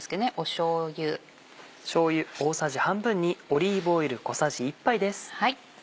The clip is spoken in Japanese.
しょうゆ大さじ半分にオリーブオイル小さじ１杯です。